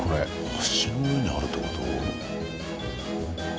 橋の上にあるって事？